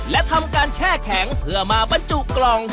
และทำการแช่แข็งเพื่อมาบรรจุกล่อง